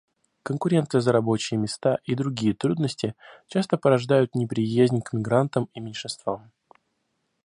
Конкуренция за рабочие места и другие трудности часто порождают неприязнь к мигрантам и меньшинствам.